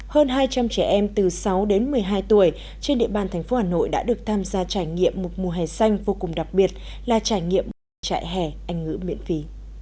hơn hai trăm linh trẻ em từ sáu đến một mươi hai tuổi trên địa bàn thành phố hà nội đã được tham gia trải nghiệm một mùa hè xanh vô cùng đặc biệt là trải nghiệm trại hè anh ngữ miễn phí